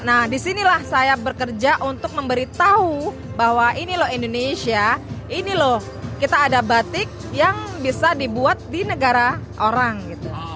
nah disinilah saya bekerja untuk memberitahu bahwa ini loh indonesia ini loh kita ada batik yang bisa dibuat di negara orang gitu